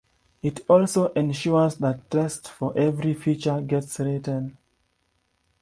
It also ensures that tests for every feature get written.